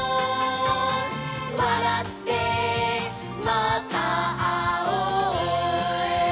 「わらってまたあおう」